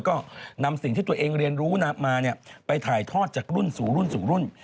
ก็นำสิ่งที่ตัวเองเรียนรู้มาไปถ่ายทอดจากรุ่นสู่รุ่นสู่รุ่น